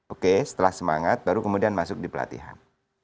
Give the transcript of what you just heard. oke setelah semangat baru kemudian masuk di pelatihan